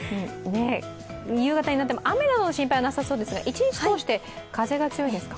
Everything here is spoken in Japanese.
夕方になっても、雨などの心配はなさそうですが一日通して風が強いですか。